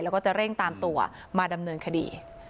แล้วก็จะเร่งตามตัวมาดำเนินคดี